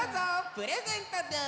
プレゼントです。